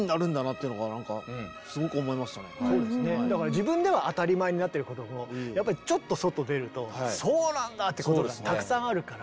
自分では当たり前になってることもやっぱりちょっと外出るとそうなんだ！ってことがたくさんあるから。